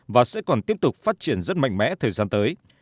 và sẽ còn tiếp tục phát triển rất mạnh mẽ thời gian tới